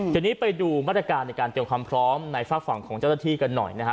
ทีนี้ไปดูมาตรการในการเตรียมความพร้อมในฝากฝั่งของเจ้าหน้าที่กันหน่อยนะฮะ